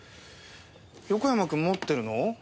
横山君持ってるの？